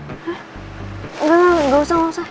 enggak enggak usah enggak usah